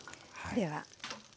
では。